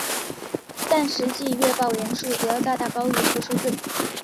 但实际阅报人数则要大大高于这个数字。